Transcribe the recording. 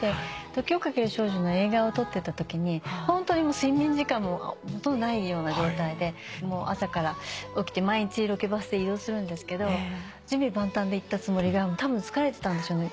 『時をかける少女』の映画を撮ってたときにホントに睡眠時間もほとんどないような状態で朝から起きて毎日ロケバスで移動するんですけど準備万端で行ったつもりがたぶん疲れてたんでしょうね。